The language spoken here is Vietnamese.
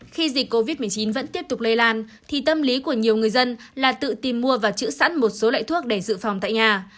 khi dịch covid một mươi chín vẫn tiếp tục lây lan thì tâm lý của nhiều người dân là tự tìm mua và chữ sẵn một số loại thuốc để dự phòng tại nhà